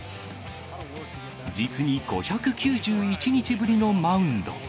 実に５９１日ぶりのマウンド。